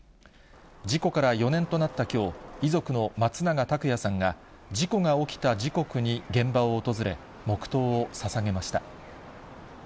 事故から４年となったきょう、遺族の松永拓也さんが、事故が起きた時刻に現場を訪れ、黙とうをささげました。